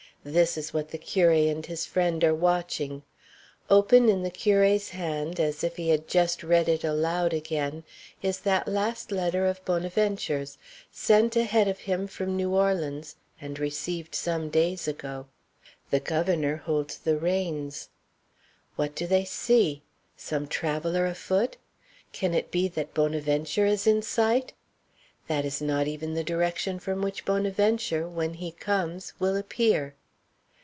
This is what the curé and his friend are watching. Open in the curé's hand, as if he had just read it aloud again, is that last letter of Bonaventure's, sent ahead of him from New Orleans and received some days ago. The governor holds the reins. What do they see? Some traveller afoot? Can it be that Bonaventure is in sight? That is not even the direction from which Bonaventure, when he comes, will appear.